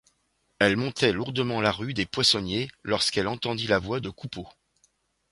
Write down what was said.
Elle montait lourdement la rue des Poissonniers, lorsqu'elle entendit la voix de Coupeau.